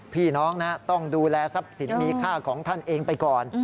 พี่น้องต้องดูแลทรัพย์สินมีค่าของท่านเองไปก่อน